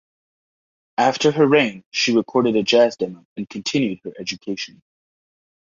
After her reign, she recorded a jazz demo and continued her education.